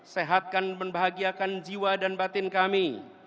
sehatkan membahagiakan jiwa dan batin kami